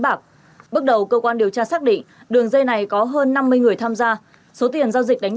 bạc bước đầu cơ quan điều tra xác định đường dây này có hơn năm mươi người tham gia số tiền giao dịch đánh